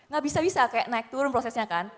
gak bisa bisa kayak naik turun prosesnya kan